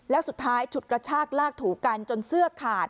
แล้วสุดท้ายฉุดกระชากลากถูกันจนเสื้อขาด